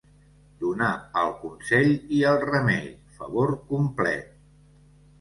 Donar el consell i el remei, favor complet.